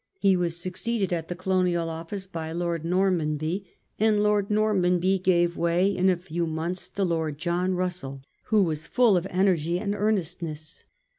He was succeeded at the Colo nial Office by Lord Normanby, and Lord Normanby gave way in a few months to Lord John Russell, who was full of energy and earnestness.